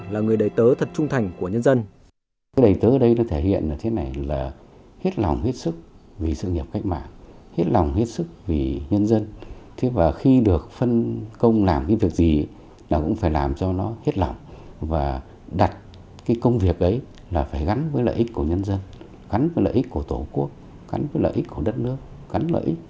là người đầy tớ thật trung thành của nhân dân